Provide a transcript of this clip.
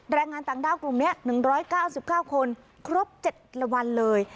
แรงงานต่างด้าวกลุ่มนี้๑๙๙คนครบ๗วันเลย